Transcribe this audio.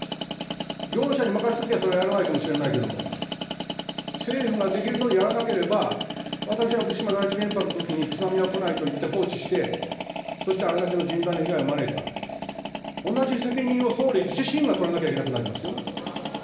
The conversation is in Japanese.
業者に任しときゃ、それやらないかもしれないけれども、政府ができるのにやらなければ、私は福島第一原発のときに津波は来ないといって、放置して、そしてあれだけの甚大な被害を招いた、同じ責任を総理自身が取らなきゃいけなくなりますよ。